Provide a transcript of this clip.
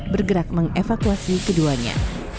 bergerak mengevakuasi keduanya